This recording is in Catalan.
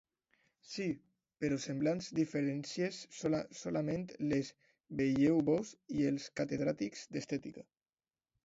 -Sí, però semblants diferències solament les veieu vós i els catedràtics d'Estètica.